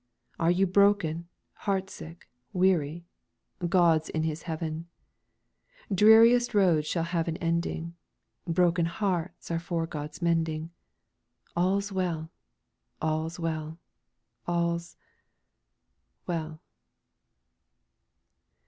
Are you broken, heart sick, weary? God's in His heaven! Dreariest roads shall have an ending, Broken hearts are for God's mending, All's well! All's well! All's ... well!"